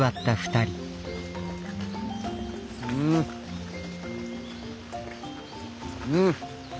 うんうん！